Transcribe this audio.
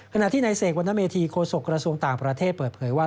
ขณะที่ในเสกวรรณเมธีโฆษกระทรวงต่างประเทศเปิดเผยว่า